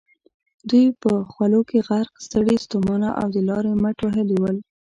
دوی په خولو کې غرق، ستړي ستومانه او د لارې مټ وهلي ول.